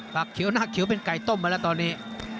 ฝากเขียวหน้าเขียวไปไก่ต้มไว้แล้วตอนนี้